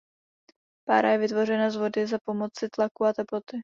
Pára je vytvořena z vody za pomoci tlaku a teploty.